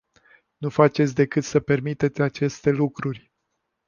Nu faceți decât să permiteți aceste lucruri!